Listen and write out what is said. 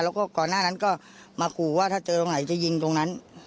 แล้วก็ก่อนหน้านั้นก็มาขู่ว่าถ้าเจอตรงไหนจะยิงตรงนั้น